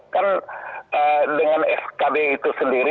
kan dengan skb itu sendiri